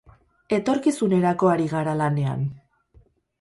Etorkizunerako ari gara lanean.